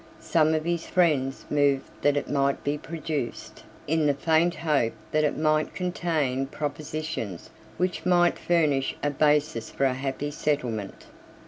Some of his friends moved that it might be produced, in the faint hope that it might contain propositions which might furnish a basis for a happy settlement.